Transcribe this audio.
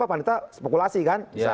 panitra spokulasi kan